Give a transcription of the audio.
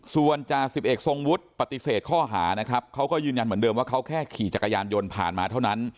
ส่วนจ่าสิบเอกทรงวุฒิปฏิเสธข้อหานะครับเขาก็ยืนยันเหมือนเดิมว่าเขาแค่ขี่จักรยานยนต์ผ่านมาเท่านั้น